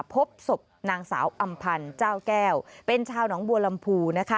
พบศพนางสาวอำพันธ์เจ้าแก้วเป็นชาวหนองบัวลำพูนะคะ